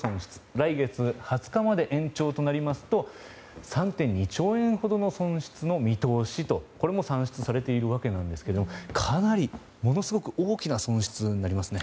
来月２０日まで延長となりますと３．２兆円ほどの損失の見通しとこれも算出されていますがかなり、ものすごく大きな損失になりますね。